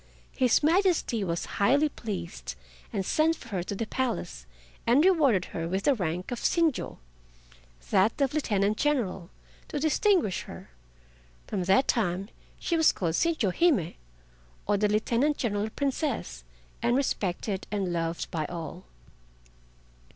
His Majesty was highly pleased, and sent for her to the Palace and rewarded her with the rank of Chinjo—that of Lieutenant General—to distinguish her. From that time she was called Chinjo hime, or the Lieutenant General Princess, and respected and loved by all.